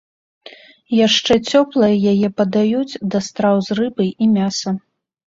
Яшчэ цёплай яе падаюць да страў з рыбы і мяса.